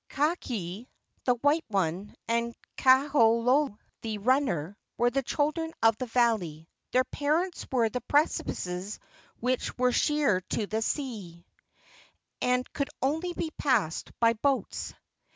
AKEA (the white one) and Kaholo (the runner) were the children of the Valley. Their parents were the precipices which were sheer to the sea, and could only be passed by boats.